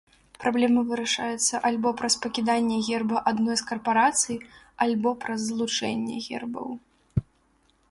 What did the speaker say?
Праблема вырашаецца альбо праз пакіданне герба адной з карпарацый, альбо праз злучэнне гербаў.